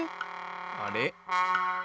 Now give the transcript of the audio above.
あれ？